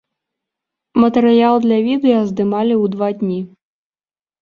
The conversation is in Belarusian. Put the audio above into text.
Матэрыял для відэа здымалі ў два дні.